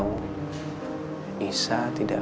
terima kasih pak